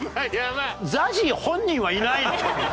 ＺＡＺＹ本人はいないの？